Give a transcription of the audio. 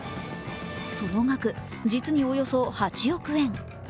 その額、実におよそ８億円。